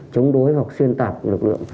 chống đối hoặc xuyên tạp lực lượng